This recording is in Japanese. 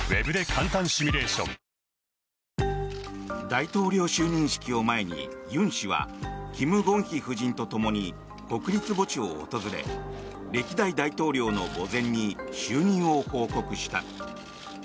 大統領就任式を前に尹氏はキム・ゴンヒ夫人とともに国立墓地を訪れ歴代大統領の墓前に就任を報告した。